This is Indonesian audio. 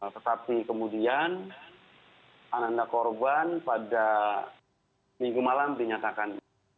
tetapi kemudian ananda korban pada minggu malam dinyatakan